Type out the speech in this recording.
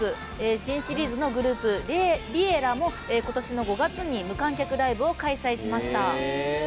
新シリーズのグループＬｉｅｌｌａ！もことしの５月に無観客ライブを開催しました。